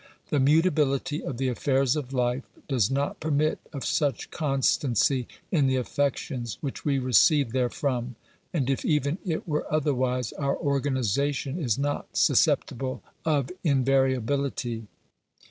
The mutability of the affairs of life does not permit of such constancy in the affections which we receive therefrom, and if even it were otherwise, our organisation is not susceptible of invariability.